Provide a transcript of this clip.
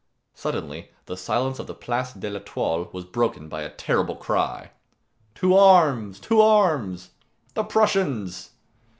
Suddenly the silence of the Place de L'Etoile was broken by a terrible cry: "To arms! To arms! The Prussians!"